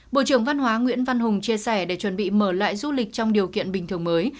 bộ trưởng văn hóa nguyễn văn hùng chia sẻ để chuẩn bị mở lại du lịch trong điều kiện bình thường mới